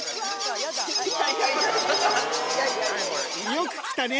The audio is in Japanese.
よく来たね。